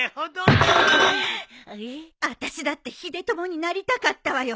あたしだって秀友になりたかったわよ。